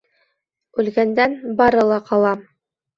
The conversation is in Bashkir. Үлгәндән бары ла ҡала